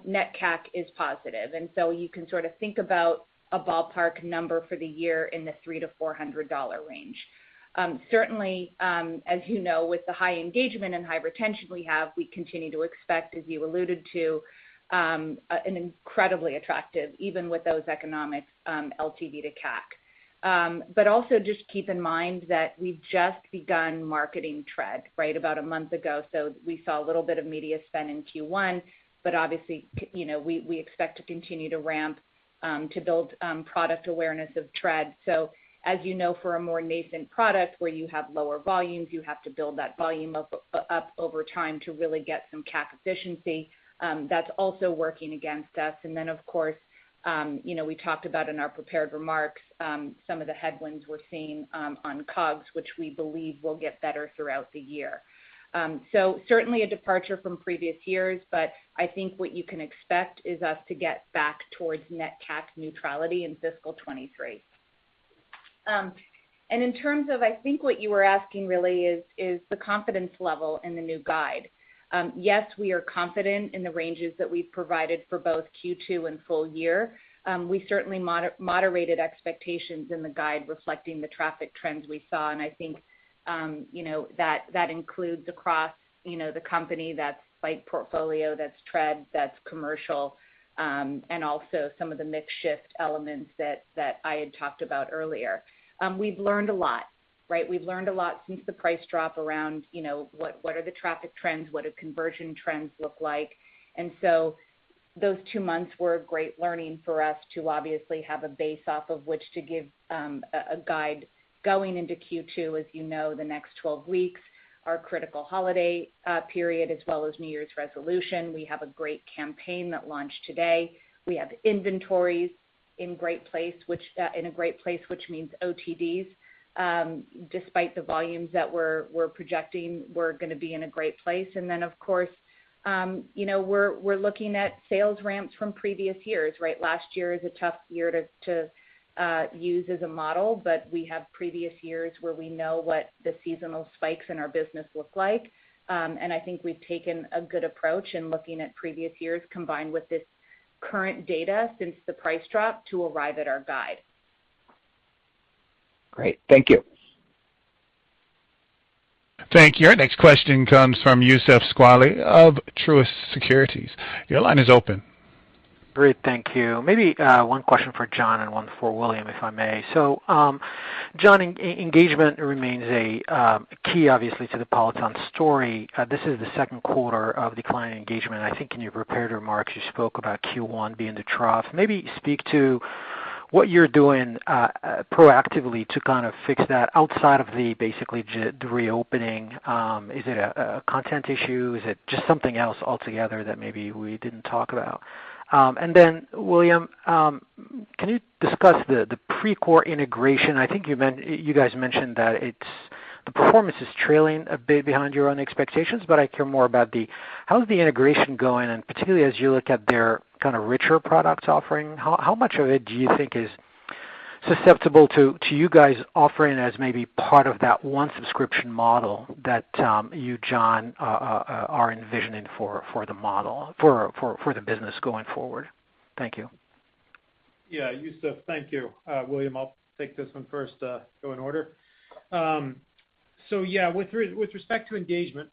net CAC is positive. You can sort of think about a ballpark number for the year in the $300-$400 range. Certainly, as you know, with the high engagement and high retention we have, we continue to expect, as you alluded to, an incredibly attractive, even with those economics, LTV to CAC. But also just keep in mind that we've just begun marketing Tread, right, about a month ago. So we saw a little bit of media spend in Q1, but obviously, you know, we expect to continue to ramp to build product awareness of Tread. So as you know, for a more nascent product where you have lower volumes, you have to build that volume up over time to really get some CAC efficiency. That's also working against us. Of course, you know, we talked about in our prepared remarks some of the headwinds we're seeing on COGS, which we believe will get better throughout the year. So certainly a departure from previous years, but I think what you can expect is us to get back towards net CAC neutrality in fiscal 2023. In terms of, I think what you were asking really is the confidence level in the new guide. Yes, we are confident in the ranges that we've provided for both Q2 and full year. We certainly moderated expectations in the guide reflecting the traffic trends we saw, and I think, you know, that includes across, you know, the company. That's Bike portfolio, that's Tread, that's commercial, and also some of the mix shift elements that I had talked about earlier. We've learned a lot, right? We've learned a lot since the price drop around, you know, what are the traffic trends, what do conversion trends look like. Those two months were a great learning for us to obviously have a base off of which to give a guide going into Q2. As you know, the next 12 weeks are critical holiday period as well as New Year's resolution. We have a great campaign that launched today. We have inventories in a great place, which means OTDs despite the volumes that we're projecting, we're gonna be in a great place. Then, of course, you know, we're looking at sales ramps from previous years, right? Last year is a tough year to use as a model, but we have previous years where we know what the seasonal spikes in our business look like. I think we've taken a good approach in looking at previous years combined with this current data since the price drop to arrive at our guide. Great. Thank you. Thank you. Our next question comes from Youssef Squali of Truist Securities. Your line is open. Great. Thank you. Maybe one question for John and one for William, if I may. John, engagement remains a key, obviously, to the Peloton story. This is the Q2 of declining engagement. I think in your prepared remarks, you spoke about Q1 being the trough. Maybe speak to what you're doing proactively to kind of fix that outside of basically just the reopening. Is it a content issue? Is it just something else altogether that maybe we didn't talk about? William, can you discuss the Precor integration? I think you guys mentioned that it's The performance is trailing a bit behind your own expectations, but I care more about how's the integration going and particularly as you look at their kind of richer products offering, how much of it do you think is susceptible to you guys offering as maybe part of that one subscription model that you, John, are envisioning for the business going forward? Thank you. Yeah. Youssef, thank you. William, I'll take this one first, go in order. Yeah, with respect to engagement,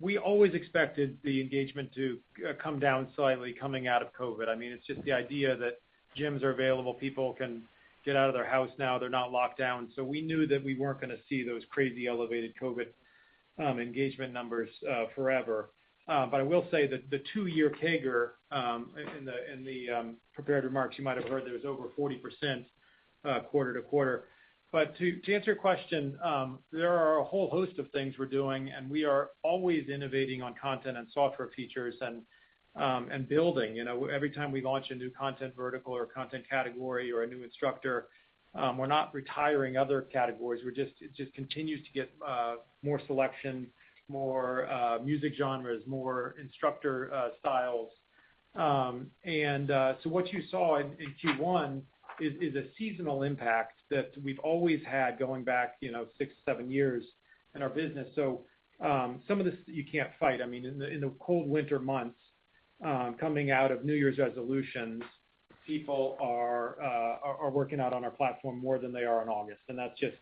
we always expected the engagement to come down slightly coming out of COVID. I mean, it's just the idea that gyms are available, people can get out of their house now, they're not locked down. We knew that we weren't gonna see those crazy elevated COVID engagement numbers forever. I will say that the two-year CAGR in the prepared remarks, you might have heard that it was over 40%, quarter-over-quarter. To answer your question, there are a whole host of things we're doing, and we are always innovating on content and software features and building. You know, every time we launch a new content vertical or content category or a new instructor, we're not retiring other categories. We're just. It just continues to get more selection, more music genres, more instructor styles. What you saw in Q1 is a seasonal impact that we've always had going back, you know, six, seven years in our business. Some of this you can't fight. I mean, in the cold winter months, coming out of New Year's resolutions, people are working out on our platform more than they are in August. That's just.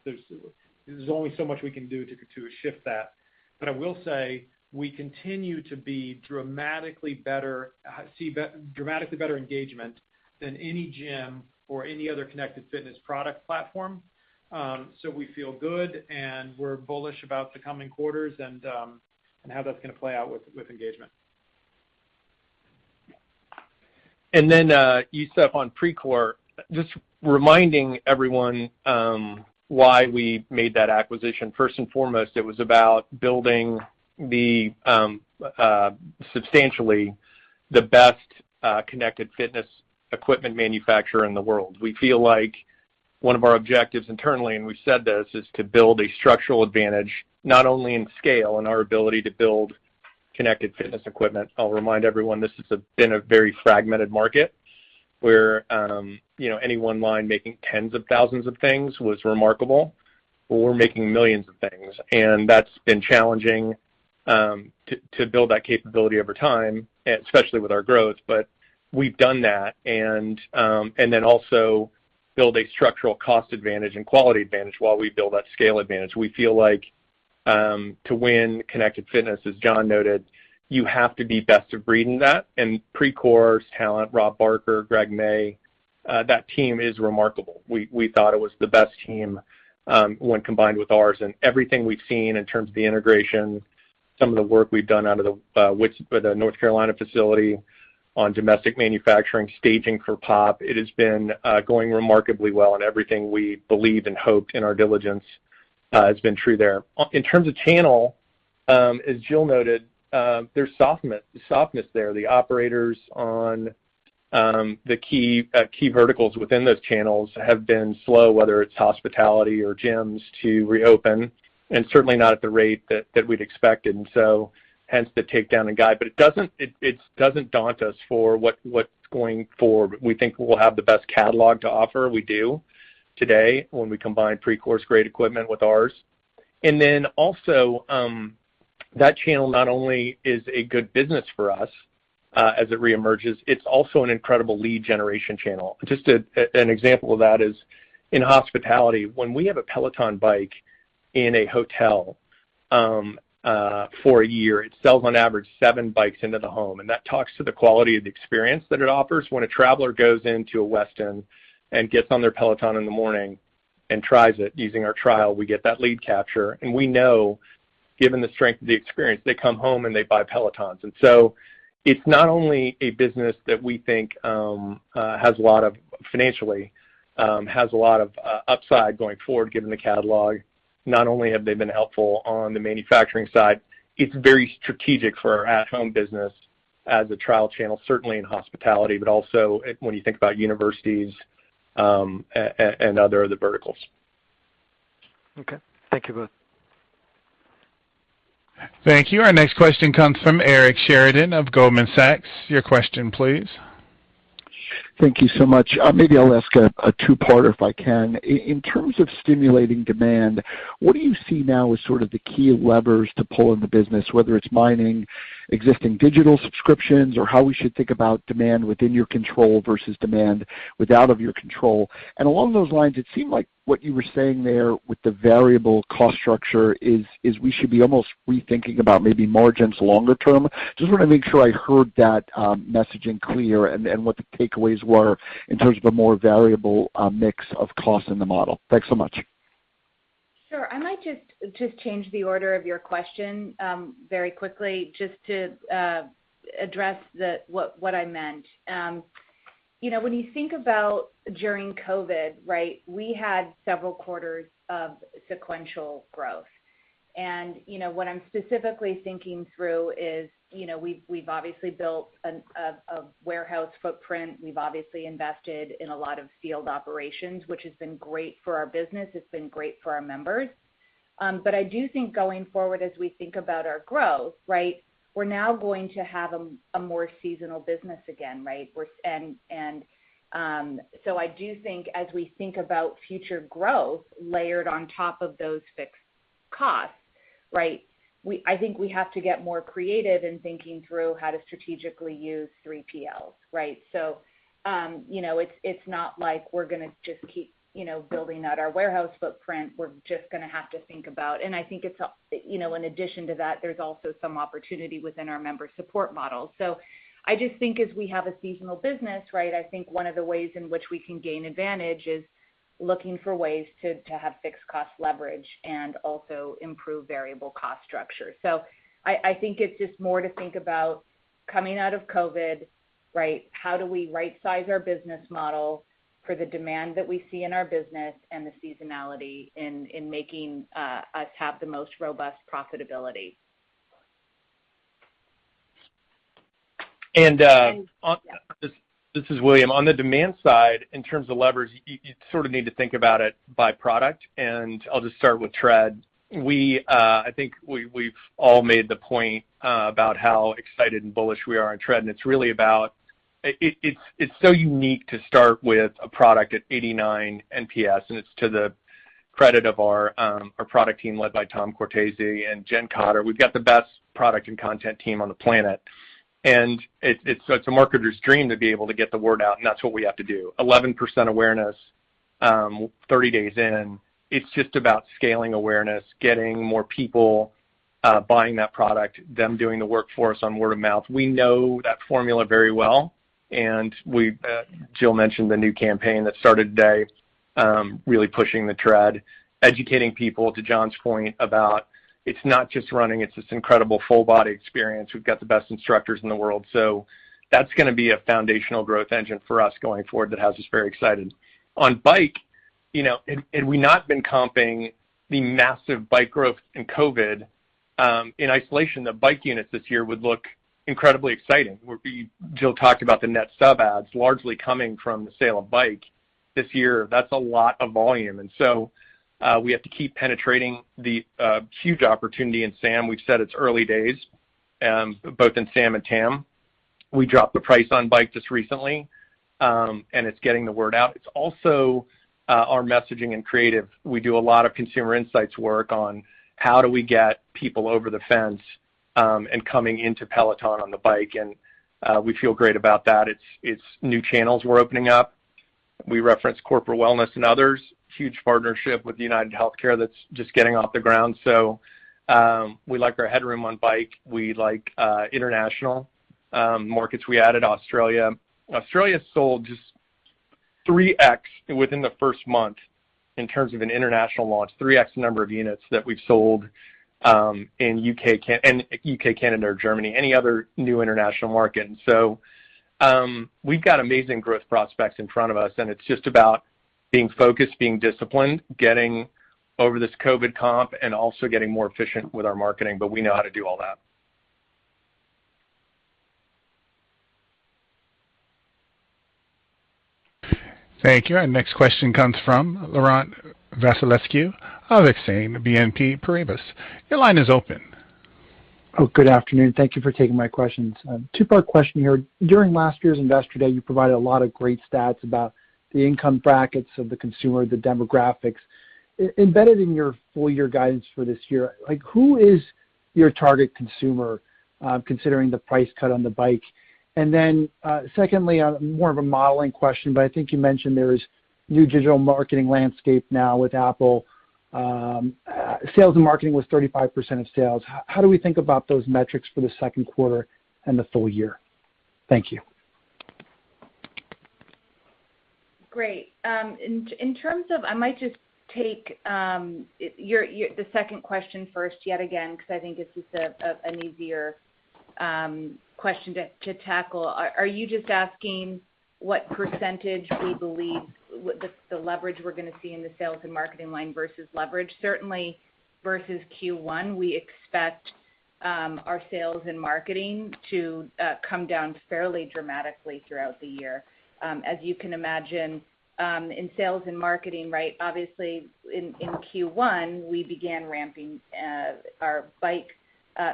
There's only so much we can do to shift that. I will say, we continue to be dramatically better engagement than any gym or any other connected fitness product platform. We feel good, and we're bullish about the coming quarters and how that's gonna play out with engagement. Youssef, on Precor, just reminding everyone why we made that acquisition. First and foremost, it was about building substantially the best connected fitness equipment manufacturer in the world. We feel like one of our objectives internally, and we've said this, is to build a structural advantage, not only in scale and our ability to build connected fitness equipment. I'll remind everyone, this has been a very fragmented market where, you know, any one line making tens of thousands of things was remarkable, but we're making millions of things. That's been challenging to build that capability over time, especially with our growth. But we've done that. Then also build a structural cost advantage and quality advantage while we build that scale advantage. We feel like to win connected fitness, as John noted, you have to be best of breed in that. Precor's talent, Rob Barker, Greg May, that team is remarkable. We thought it was the best team when combined with ours and everything we've seen in terms of the integration, some of the work we've done out of the with the North Carolina facility on domestic manufacturing, staging for POP, it has been going remarkably well, and everything we believed and hoped in our diligence has been true there. In terms of channel, as Jill noted, there's softness there. The operators on the key verticals within those channels have been slow, whether it's hospitality or gyms to reopen, and certainly not at the rate that we'd expected. Hence the takedown in guide. It doesn't daunt us for what's going forward. We think we'll have the best catalog to offer. We do today when we combine Precor's great equipment with ours. That channel not only is a good business for us, as it reemerges, it's also an incredible lead generation channel. Just an example of that is in hospitality. When we have a Peloton bike in a hotel, for a year, it sells on average seven bikes into the home, and that talks to the quality of the experience that it offers. When a traveler goes into a Westin and gets on their Peloton in the morning and tries it using our trial, we get that lead capture. We know, given the strength of the experience, they come home, and they buy Pelotons. It's not only a business that we think has a lot of financial upside going forward, given the catalog. Not only have they been helpful on the manufacturing side, it's very strategic for our at-home business as a trial channel, certainly in hospitality, but also when you think about universities, and other of the verticals. Okay. Thank you both. Thank you. Our next question comes from Eric Sheridan of Goldman Sachs. Your question, please. Thank you so much. Maybe I'll ask a two-parter if I can. In terms of stimulating demand, what do you see now as sort of the key levers to pull in the business, whether it's mining existing digital subscriptions or how we should think about demand within your control versus demand outside of your control? Along those lines, it seemed like what you were saying there with the variable cost structure is we should be almost rethinking about maybe margins longer term. Just wanna make sure I heard that messaging clear and what the takeaways were in terms of a more variable mix of costs in the model. Thanks so much. Sure. I might change the order of your question very quickly just to address what I meant. You know, when you think about during COVID, right, we had several quarters of sequential growth. You know, what I'm specifically thinking through is, you know, we've obviously built a warehouse footprint. We've obviously invested in a lot of field operations, which has been great for our business. It's been great for our members. I do think going forward as we think about our growth, right, we're now going to have a more seasonal business again, right? I do think as we think about future growth layered on top of those fixed costs, right, we have to get more creative in thinking through how to strategically use 3PLs, right? You know, it's not like we're gonna just keep you know building out our warehouse footprint. We're just gonna have to think about it. I think it's you know in addition to that there's also some opportunity within our member support model. I just think as we have a seasonal business, right, I think one of the ways in which we can gain advantage is looking for ways to have fixed cost leverage and also improve variable cost structure. I think it's just more to think about coming out of COVID, right, how do we right size our business model for the demand that we see in our business and the seasonality in making us have the most robust profitability. And, uh- Yeah This is William. On the demand side, in terms of leverage, you sort of need to think about it by product, and I'll just start with Tread. I think we've all made the point about how excited and bullish we are on Tread, and it's really about. It's so unique to start with a product at 89 NPS, and it's to the credit of our product team led by Tom Cortese and Jen Cotter. We've got the best product and content team on the planet. It's such a marketer's dream to be able to get the word out, and that's what we have to do. 11% awareness, 30 days in, it's just about scaling awareness, getting more people buying that product, them doing the work for us on word of mouth. We know that formula very well. Jill mentioned the new campaign that started today, really pushing the Tread, educating people, to John's point, about it's not just running, it's this incredible full body experience. We've got the best instructors in the world. That's gonna be a foundational growth engine for us going forward that has us very excited. On Bike, you know, had we not been comping the massive Bike growth in COVID in isolation, the Bike units this year would look incredibly exciting. Jill talked about the net sub adds largely coming from the sale of Bike this year. That's a lot of volume. We have to keep penetrating the huge opportunity in SAM. We've said it's early days, both in SAM and TAM. We dropped the price on Bike just recently, and it's getting the word out. It's also our messaging and creative. We do a lot of consumer insights work on how do we get people over the fence, and coming into Peloton on the Bike. We feel great about that. It's new channels we're opening up. We reference corporate wellness and others. Huge partnership with UnitedHealthcare that's just getting off the ground. We like our headroom on Bike. We like international markets. We added Australia. Australia sold just 3x within the first month in terms of an international launch, 3x number of units that we've sold in U.K., Canada, or Germany, any other new international market. We've got amazing growth prospects in front of us, and it's just about being focused, being disciplined, getting over this COVID comp, and also getting more efficient with our marketing, but we know how to do all that. Thank you. Our next question comes from Laurent Vasilescu of Exane BNP Paribas. Your line is open. Oh, good afternoon. Thank you for taking my questions. Two-part question here. During last year's Investor Day, you provided a lot of great stats about the income brackets of the consumer, the demographics. Embedded in your full year guidance for this year, like, who is your target consumer, considering the price cut on the bike? Secondly, on more of a modeling question, but I think you mentioned there is new digital marketing landscape now with Apple. Sales and marketing was 35% of sales. How do we think about those metrics for the Q2 and the full year? Thank you. Great. In terms of I might just take the second question first yet again, because I think it's just an easier question to tackle. Are you just asking what percentage we believe the leverage we're gonna see in the sales and marketing line versus leverage? Certainly, versus Q1, we expect our sales and marketing to come down fairly dramatically throughout the year. As you can imagine, in sales and marketing, right, obviously, in Q1, we began ramping our bike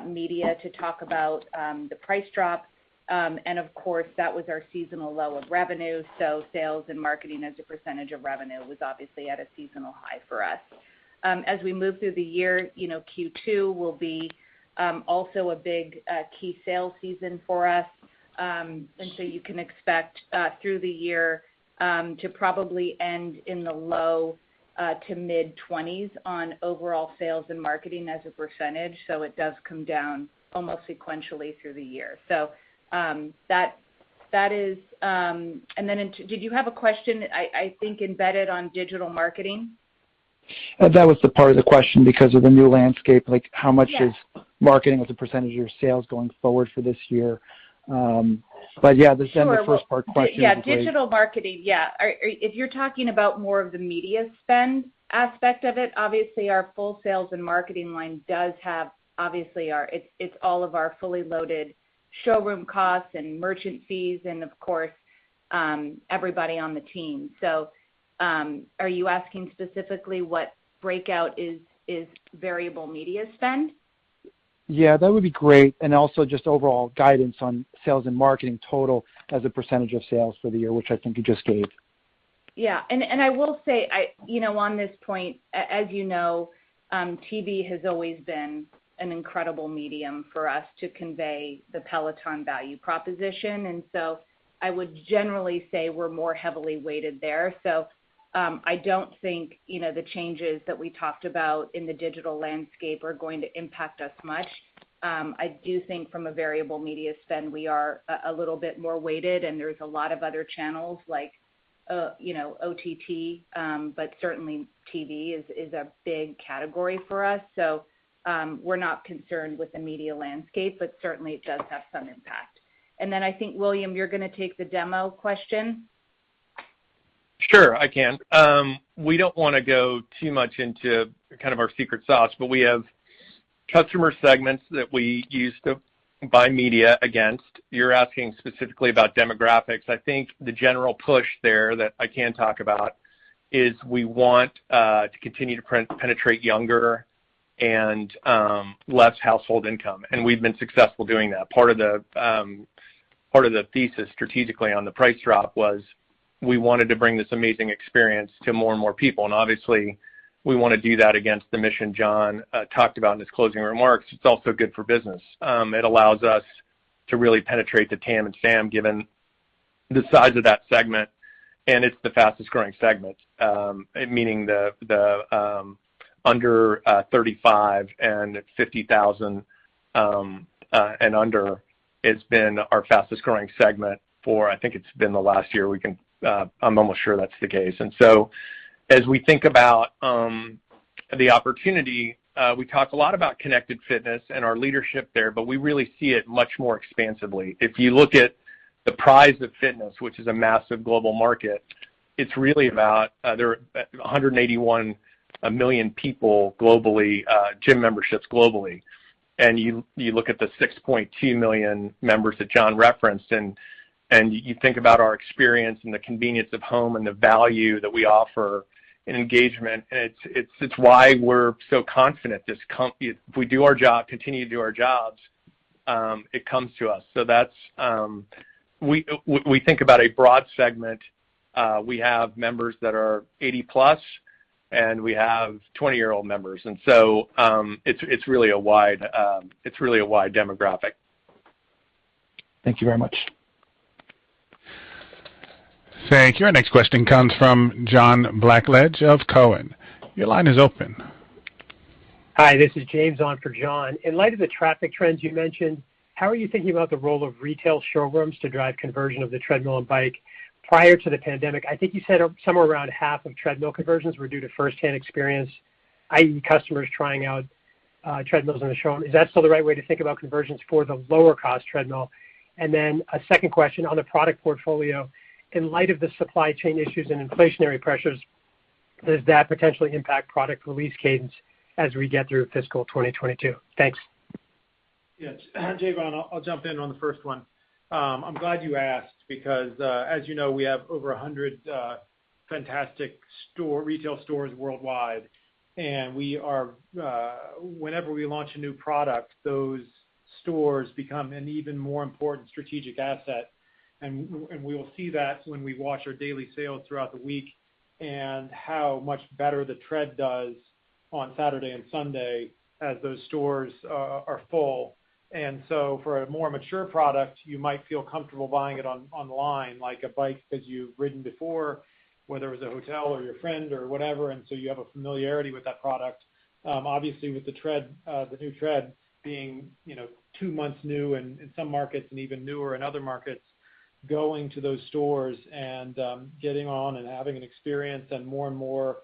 media to talk about the price drop. And of course, that was our seasonal low of revenue. Sales and marketing as a percentage of revenue was obviously at a seasonal high for us. As we move through the year, you know, Q2 will be also a big key sales season for us. You can expect through the year to probably end in the low- to mid-20s% on overall sales and marketing. It does come down almost sequentially through the year. That is. Did you have a question, I think, embedded on digital marketing? That was the part of the question because of the new landscape. Like Yeah How much is marketing as a percentage of your sales going forward for this year? Yeah, the second and the first part of the question is great. Sure. Well, yeah, digital marketing, yeah. If you're talking about more of the media spend aspect of it, obviously our full sales and marketing line does have obviously our, it's all of our fully loaded Showroom costs and merchant fees and of course, everybody on the team. Are you asking specifically what breakout is variable media spend? Yeah, that would be great. Also just overall guidance on sales and marketing total as a percentage of sales for the year, which I think you just gave. I will say, you know, on this point, as you know, TV has always been an incredible medium for us to convey the Peloton value proposition. I would generally say we're more heavily weighted there. I don't think, you know, the changes that we talked about in the digital landscape are going to impact us much. I do think from a variable media spend, we are a little bit more weighted, and there's a lot of other channels like, you know, OTT, but certainly TV is a big category for us. We're not concerned with the media landscape, but certainly it does have some impact. Then I think, William, you're gonna take the demo question. Sure, I can. We don't wanna go too much into kind of our secret sauce, but we have customer segments that we use to buy media against. You're asking specifically about demographics. I think the general push there that I can talk about is we want to continue to penetrate younger and less household income, and we've been successful doing that. Part of the thesis strategically on the price drop was we wanted to bring this amazing experience to more and more people. Obviously, we wanna do that against the mission John talked about in his closing remarks. It's also good for business. It allows us to really penetrate the TAM and SAM, given the size of that segment, and it's the fastest-growing segment. Meaning the under 35 and $50,000 and under, it's been our fastest-growing segment for the last year, I think. I'm almost sure that's the case. As we think about the opportunity, we talk a lot about connected fitness and our leadership there, but we really see it much more expansively. If you look at the prize of fitness, which is a massive global market, it's really about there are 181 million people globally gym memberships globally. You look at the 6.2 million members that John referenced and you think about our experience and the convenience of home and the value that we offer in engagement, and it's why we're so confident. If we do our job, continue to do our jobs, it comes to us. We think about a broad segment. We have members that are 80+, and we have 20-year-old members. It's really a wide demographic. Thank you very much. Thank you. Our next question comes from John Blackledge of Cowen. Your line is open. Hi, this is James on for John. In light of the traffic trends you mentioned, how are you thinking about the role of retail showrooms to drive conversion of the treadmill and bike? Prior to the pandemic, I think you said somewhere around half of treadmill conversions were due to firsthand experience, i.e., customers trying out treadmills in the showroom. Is that still the right way to think about conversions for the lower cost treadmill? A second question on the product portfolio. In light of the supply chain issues and inflationary pressures, does that potentially impact product release cadence as we get through fiscal 2022? Thanks. Yes. James, I'll jump in on the first one. I'm glad you asked because, as you know, we have over 100 fantastic retail stores worldwide, and whenever we launch a new product, those stores become an even more important strategic asset. We will see that when we watch our daily sales throughout the week and how much better the Tread does on Saturday and Sunday as those stores are full. For a more mature product, you might feel comfortable buying it online, like a Bike that you've ridden before, whether it was a hotel or your friend or whatever, and so you have a familiarity with that product. Obviously, with the Tread, the new Tread being, you know, two months new in some markets and even newer in other markets, going to those stores and getting on and having an experience and more and more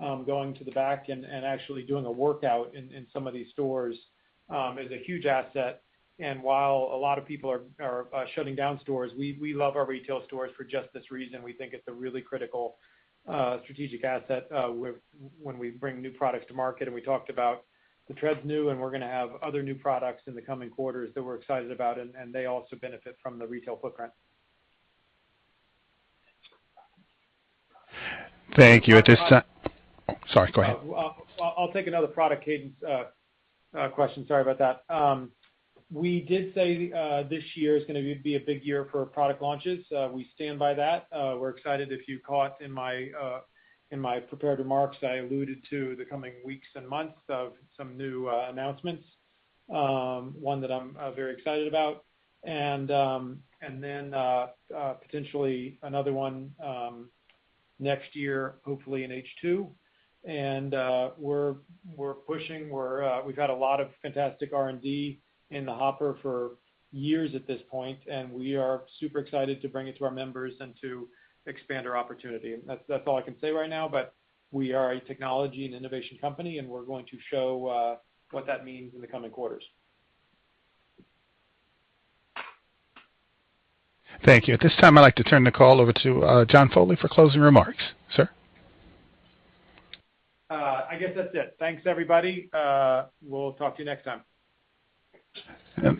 going to the back and actually doing a workout in some of these stores is a huge asset. While a lot of people are shutting down stores, we love our retail stores for just this reason. We think it's a really critical strategic asset when we bring new products to market. We talked about the Tread's new, and we're gonna have other new products in the coming quarters that we're excited about, and they also benefit from the retail footprint. Thank you. I'll- Sorry, go ahead. I'll take another product cadence question. Sorry about that. We did say this year is gonna be a big year for product launches. We stand by that. We're excited. If you caught in my prepared remarks, I alluded to the coming weeks and months of some new announcements, one that I'm very excited about. Potentially another one next year, hopefully in H2. We're pushing. We've had a lot of fantastic R&D in the hopper for years at this point, and we are super excited to bring it to our members and to expand our opportunity. That's all I can say right now, but we are a technology and innovation company, and we're going to show what that means in the coming quarters. Thank you. At this time, I'd like to turn the call over to John Foley for closing remarks. Sir? I guess that's it. Thanks, everybody. We'll talk to you next time.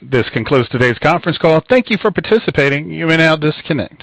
This concludes today's conference call. Thank you for participating. You may now disconnect.